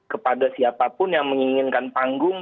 kepada siapapun yang menginginkan panggung